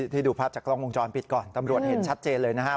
ดูภาพจากกล้องวงจรปิดก่อนตำรวจเห็นชัดเจนเลยนะฮะ